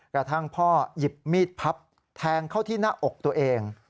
กระทั่งพ่อหยิบมีดพับแทงเข้าที่หน้าอกตัวเอง